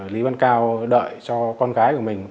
lý văn cao đợi cho con gái của mình